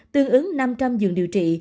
tương ứng năm trăm linh dường điều trị